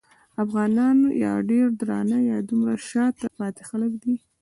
افغانان یا ډېر درانه یا دومره شاته پاتې خلک دي.